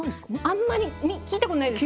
あんまり聞いたことないですよね。